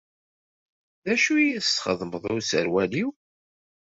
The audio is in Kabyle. D acu i as-txedmeḍ i userwal-iw?